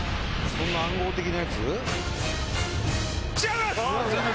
そんな暗号的なやつ？